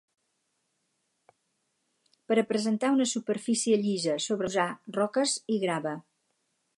Per a presentar una superfície llisa sobre les canonades es van usar roques i grava.